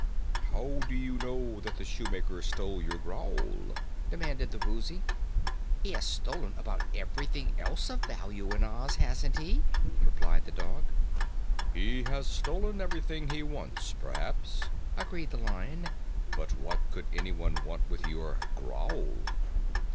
"How do you know that the Shoemaker stole your growl?" demanded the Woozy. "He has stolen about everything else of value in Oz, hasn't he?" replied the dog. "He has stolen everything he wants, perhaps," agreed the Lion, "but what could anyone want with your growl?"